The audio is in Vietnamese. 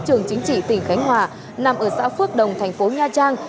trường chính trị tỉnh khánh hòa nằm ở xã phước đồng thành phố nha trang